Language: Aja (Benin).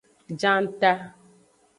Janta.